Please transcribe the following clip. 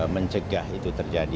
mencegah itu terjadi